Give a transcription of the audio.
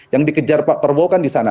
yang dikejar pak prabowo kan di sana